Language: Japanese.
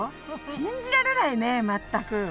信じられないね全く。